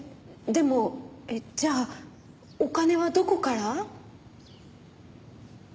でもじゃあお金はどこから？